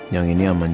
yang ini aman